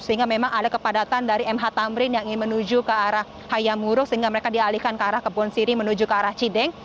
sehingga memang ada kepadatan dari mh tamrin yang ingin menuju ke arah hayamuru sehingga mereka dialihkan ke arah kebon siri menuju ke arah cideng